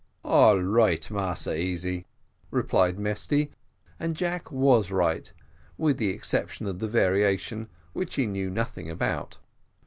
"All right, Massa Easy," replied Mesty; and Jack was right, with the exception of the variation, which he knew nothing about.